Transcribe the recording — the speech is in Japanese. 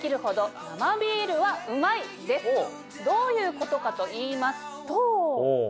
どういうことかといいますと。